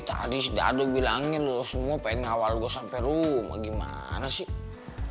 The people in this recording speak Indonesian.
tadi sudah ada gue bilangnya lo semua pengen ngawal gue sampe rumah gimana sih